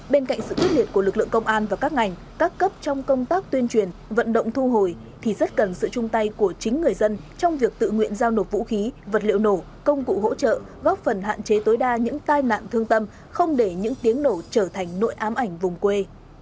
bên cạnh sự quyết liệt của lực lượng công an và các ngành các cấp trong công tác tuyên truyền vận động thu hồi thì rất cần sự chung tay của chính người dân trong việc tự nguyện giao nộp vũ khí vật liệu nổ công cụ hỗ trợ góp phần hạn chế tối đa những tai nạn thương tâm không để những tiếng nổ trở thành nội ám ảnh vùng quê